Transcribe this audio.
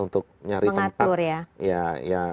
untuk mencari tempat mengatur ya